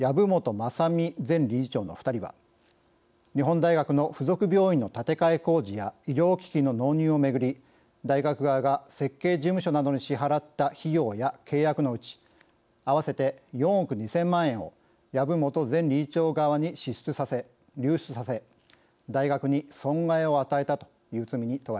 雅巳前理事長の２人は日本大学の付属病院の建て替え工事や医療機器の納入をめぐり大学側が設計事務所などに支払った費用や契約のうち合わせて４億２，０００万円を籔本前理事長側に流出させ大学に損害を与えたという罪に問われています。